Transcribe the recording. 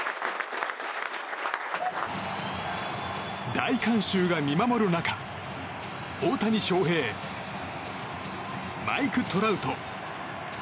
大観衆が見守る中大谷翔平、マイク・トラウト。